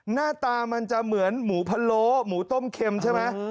หน้าตามันจะเหมือนหมูพะโล้หมูต้มเค็มใช่ไหม